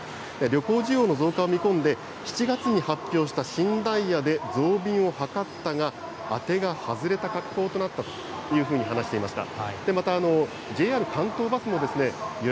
旅行需要の増加を見込んで、７月に発表した新ダイヤで増便を図ったが、当てが外れた格好となったというふうに話していました。